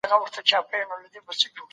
چیرته کولای سو سرحد په سمه توګه مدیریت کړو؟